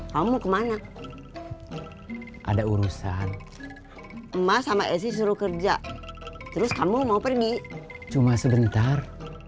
kamu mau kemana ada urusan emak sama esi suruh kerja terus kamu mau pergi cuma sebentar